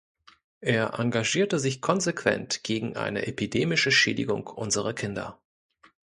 Er engagierte sich konsequent gegen eine "epidemische Schädigung unserer Kinder".